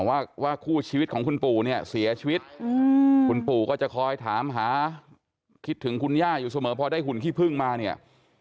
ว่าคู่ชีวิตของคุณปู่เนี่ยเสียชีวิตคุณปู่ก็จะคอยถามหาคิดถึงคุณย่าอยู่เสมอพอได้หุ่นขี้พึ่งมาเนี่ย